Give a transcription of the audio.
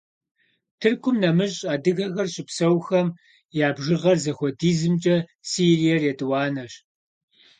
Тыркум нэмыщӀ адыгэхэр щыпсэухэм я бжыгъэр зыхуэдизымкӀэ Сириер етӀуанэщ.